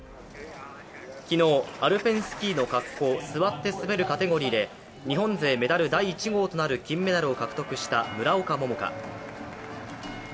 昨日、アルペンスキーの滑降・座って滑るカテゴリーで日本勢メダル第１号となる金メダルを獲得した村岡桃佳。